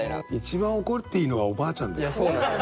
一番怒っていいのはおばあちゃんだよ。